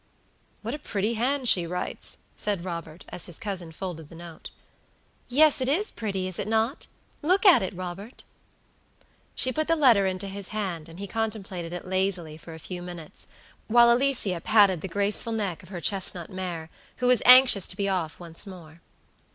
'" "What a pretty hand she writes!" said Robert, as his cousin folded the note. "Yes, it is pretty, is it not? Look at it, Robert." She put the letter into his hand, and he contemplated it lazily for a few minutes, while Alicia patted the graceful neck of her chestnut mare, which was anxious to be off once more.